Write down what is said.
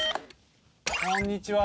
こんにちは！